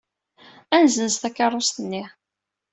Ad nessenz takeṛṛust-nni.